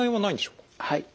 はい。